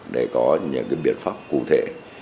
để có những cái biện pháp cụ thể